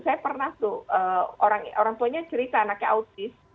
saya pernah tuh orang tuanya cerita anaknya autis